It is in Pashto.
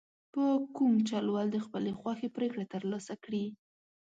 په کوم چل ول د خپلې خوښې پرېکړه ترلاسه کړي.